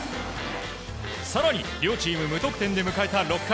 更に両チーム無得点で迎えた６回。